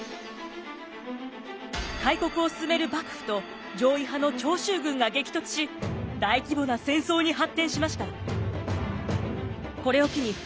開国を進める幕府と攘夷派の長州軍が激突し大規模な戦争に発展しました。